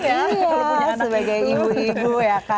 iya sebagai ibu ibu ya kak